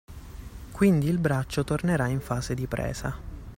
Quindi il braccio tornerà in fase di presa.